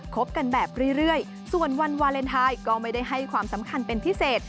คบกันแบบเรื่อยส่วนวันวาเลนไทยก็ไม่ได้ให้ความสำคัญเป็นพิเศษ